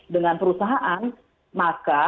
dengan perusahaan maka